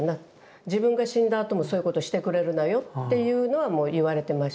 自分が死んだあともそういうことしてくれるなよ」っていうのはもう言われてました。